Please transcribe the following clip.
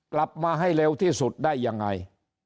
กลับมาให้เร็วที่สุดได้ยังไง